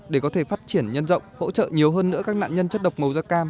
để có thể phát triển nhân rộng hỗ trợ nhiều hơn nữa các nạn nhân chất độc màu da cam